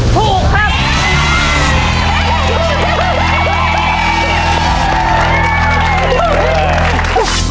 ถูกครับ